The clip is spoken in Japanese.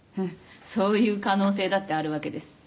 そういう可能性だってあるわけです。